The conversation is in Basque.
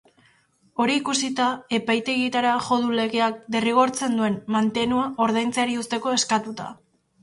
Hori ikusita, epaitegietara jo du legeak derrigortzen duen mantenua ordaintzeari uzteko eskatuta.